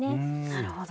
なるほど。